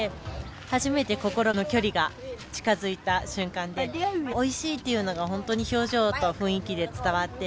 初めて心の距離が近づいた瞬間でおいしいっていうのが本当に表情と雰囲気で伝わって。